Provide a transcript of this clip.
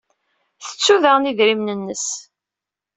Tettu daɣen idrimen-nnes?